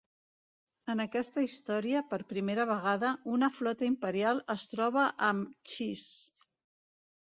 En aquesta història, per primera vegada, una flota imperial es troba amb Chiss.